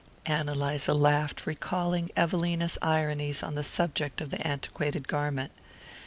Ann Eliza laughed, recalling Evelina's ironies on the subject of the antiquated garment.